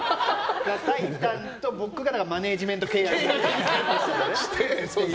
タイタンと僕がマネジメント契約をして。